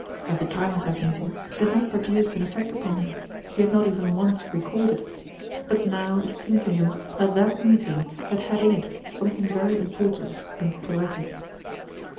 At the time of that meeting it had not produced an effect upon him—he had not even once recalled it. But now it seemed to him that that meeting had had in it something very important and poetic.